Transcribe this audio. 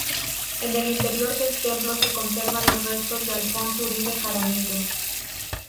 En el interior del templo se conservan los restos de Alfonso Uribe Jaramillo.